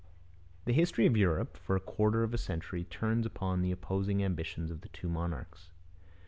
The history of Europe for a quarter of a century turns upon the opposing ambitions of the two monarchs.